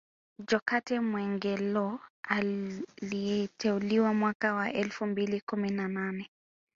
Jokate Mwegelo aliteuliwa mwaka wa elfu mbili kumi na nane